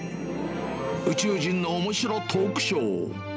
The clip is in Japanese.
宇宙人のおもしろトークショー。